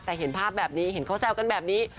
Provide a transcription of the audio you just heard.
แต่เห็นภาพแบบนี้เห็นเขาแซวกันแบบนี้